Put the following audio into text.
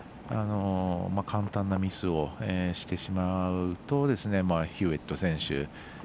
簡単なミスをしてしまうとヒューウェット選手